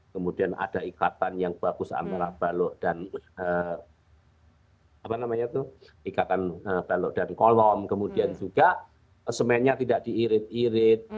kemudian ada ikatan yang bagus antara balok dan kolom kemudian juga semennya tidak diirit irit